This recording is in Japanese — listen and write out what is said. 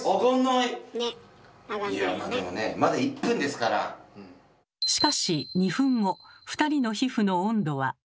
いやまあでもねしかし２分後２人の皮膚の温度は。